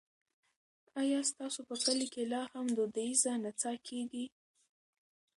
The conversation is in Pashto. ایا ستاسو په کلي کې لا هم دودیزه نڅا کیږي؟